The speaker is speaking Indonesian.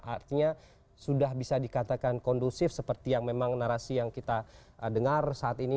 artinya sudah bisa dikatakan kondusif seperti yang memang narasi yang kita dengar saat ini